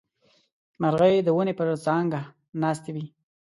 مرغۍ د ونې پر څانګه ناستې وې.